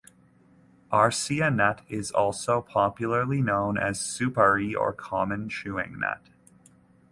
Areca nut is also popularly known as the supari or common chewing nut.